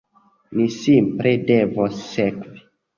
Ni simple devos sekvi.